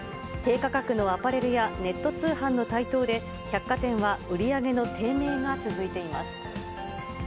低価格のアパレルやネット通販の台頭で、百貨店は売り上げの低迷が続いています。